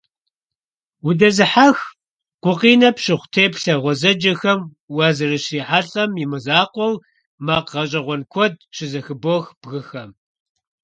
Удэзыхьэх, гукъинэ пщыхъу теплъэ гъуэзэджэхэм уазэрыщрихьэлIэм и мызакъуэу, макъ гъэщIэгъуэн куэд щызэхыбох бгыхэм.